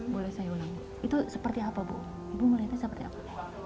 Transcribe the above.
boleh saya ulangi itu seperti apa bu ibu melihatnya seperti apa